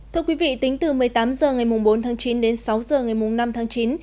thưa quý vị tính từ một mươi tám h ngày bốn tháng chín đến sáu h ngày năm